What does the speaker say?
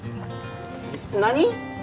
何？